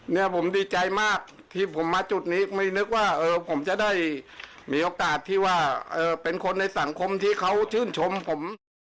เนี่ยผมดีใจมากที่ผมมาจุดนี้ไม่นึกว่าผมจะได้มีโอกาสที่ว่าเป็นคนในสังคมที่เขาชื่นชมผม